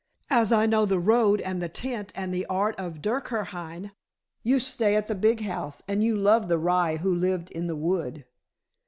"As I know the road and the tent and the art of dukkerhin. You stay at the big house, and you love the rye who lived in the wood."